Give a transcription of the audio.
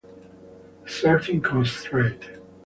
A certain constraint.